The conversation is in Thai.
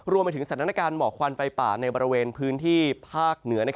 รวมไปถึงสถานการณ์หมอกควันไฟป่าในบริเวณพื้นที่ภาคเหนือ